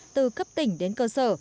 từ cấp tỉnh đến cơ sở